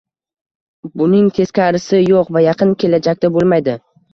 Buning teskarisi yo'q va yaqin kelajakda bo'lmaydi